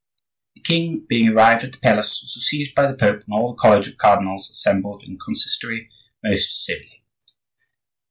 "The king, being arrived at the palace, was received by the Pope and all the college of cardinals, assembled in consistory, most civilly.